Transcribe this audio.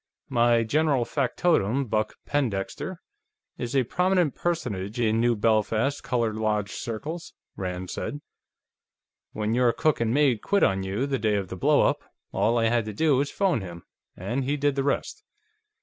"My general factotum, Buck Pendexter, is a prominent personage in New Belfast colored lodge circles," Rand said. "When your cook and maid quit on you, the day of the blow up, all I had to do was phone him, and he did the rest."